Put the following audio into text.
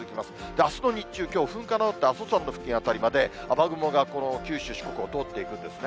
あすの日中、きょう噴火のあった阿蘇山の付近辺りまで雨雲が、九州、四国の辺りを通っていくんですね。